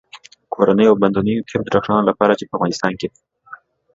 کورنیو او باندنیو طب ډاکټرانو لپاره چې په افغانستان